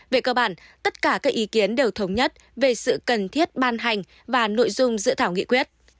về cơ bản tất cả các ý kiến đều thống nhất về sự cần thiết ban hành và nội dung dự thảo nghị quyết